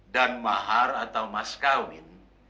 dan mahar atau maskawin